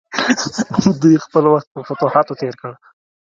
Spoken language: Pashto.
دوی خپل وخت په فتوحاتو تیر کړ.